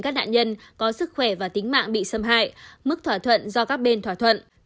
các nạn nhân có sức khỏe và tính mạng bị xâm hại mức thỏa thuận do các bên thỏa thuận